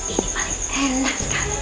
ini paling enak sekali